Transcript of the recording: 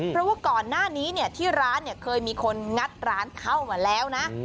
เพราะว่าก่อนหน้านี้ที่ร้านเคยมีคนงัดร้านเข้ามาแล้วนะ